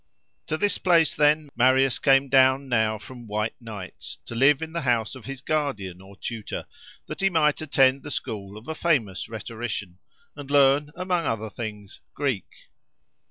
To this place, then, Marius came down now from White nights, to live in the house of his guardian or tutor, that he might attend the school of a famous rhetorician, and learn, among other things, Greek.